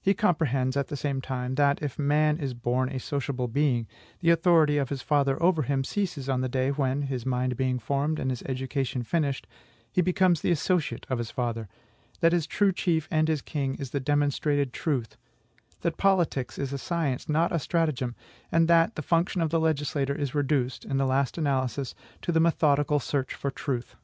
He comprehends, at the same time, that, if man is born a sociable being, the authority of his father over him ceases on the day when, his mind being formed and his education finished, he becomes the associate of his father; that his true chief and his king is the demonstrated truth; that politics is a science, not a stratagem; and that the function of the legislator is reduced, in the last analysis, to the methodical search for truth.